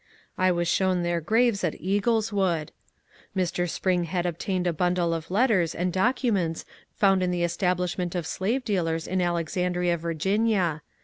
I was shown their graves at Eagleswood. Mr. Spring had obtained a bundle of letters and documents found in the establishment of slavedealers in Alexandria, Ya.